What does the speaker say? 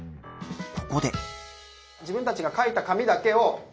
ここで。